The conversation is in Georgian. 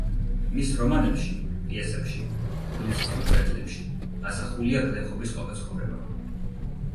მის რომანებში, პიესებში, პუბლიცისტურ წერილებში ასახულია გლეხობის ყოფა-ცხოვრება.